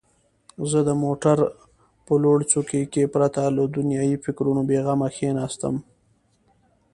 زه د موټر په لوړ څوکۍ کې پرته له دنیايي فکرونو بېغمه کښېناستم.